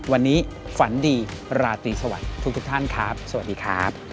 วันนี้ฝันดีราตรีสวัสดีทุกท่านครับสวัสดีครับ